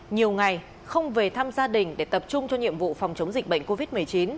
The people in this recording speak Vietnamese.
nhiều ngày không về thăm gia đình để tập trung cho nhiệm vụ phòng chống dịch bệnh covid một mươi chín